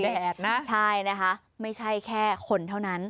แดดนะใช่นะคะไม่ใช่แค่คนเท่านั้น